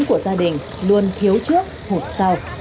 của gia đình luôn thiếu trước hột sau